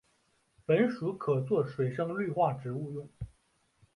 本属可做水生绿化植物用。